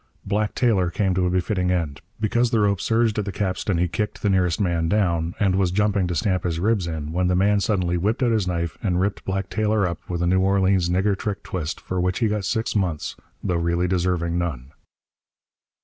Black Taylor came to a befitting end. Because the rope surged at the capstan he kicked the nearest man down, and was jumping to stamp his ribs in, when the man suddenly whipped out his knife and ripped Black Taylor up with a New Orleans nigger trick twist for which he got six months, though really deserving none.